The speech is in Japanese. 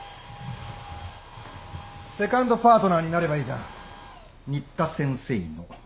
セカンドパートナーになればいいじゃん新田先生の。